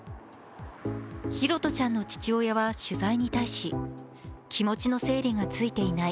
拓杜ちゃんの父親は取材に対し、気持ちの整理がついていない